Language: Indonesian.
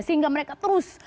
sehingga mereka terus